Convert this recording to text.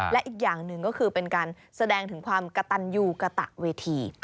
และอีกอย่างหนึ่งก็คือเป็นการแสดงถึงความกระตันยูกระตะเวที